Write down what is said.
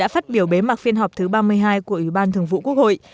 phát biểu bế mạc phiên họp thứ ba mươi hai của ủy ban thường vụ quốc hội